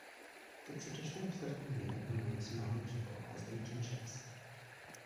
The traditional political unit among the Somali people has been kinships.